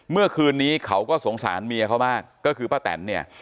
เมื่อคืนนี้เขาก็สงสารเมียเขามากก็คือป้าแตนเนี่ย